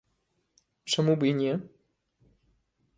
Чаму б і не.